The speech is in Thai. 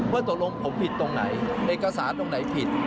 ว่าตรงรมผมผิดตรงไหนเอกสารตรงไหนผิด